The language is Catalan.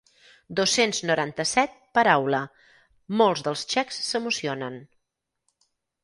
Dos-cents noranta-set paraula, molts dels txecs s'emocionen.